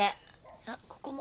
あっここも。